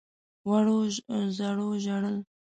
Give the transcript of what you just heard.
وړو _زړو ژړل.